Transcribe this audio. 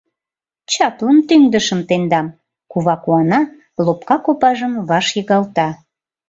— Чаплын тӱҥдышым тендам, — кува куана, лопка копажым ваш йыгалта.